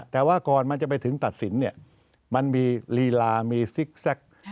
แต่ว่าก่อนมันจะไปถึงตัดสินเนี่ยมันมีลีลามีซิกแซค